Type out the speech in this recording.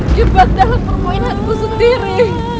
aku terjebak dalam permainanku sendiri